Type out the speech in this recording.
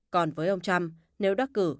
còn với ông trump nếu đắc cử